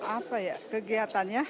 apa ya kegiatannya